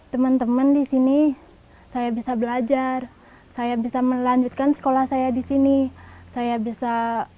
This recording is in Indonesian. teman teman disini saya bisa belajar saya bisa melanjutkan sekolah saya disini saya bisa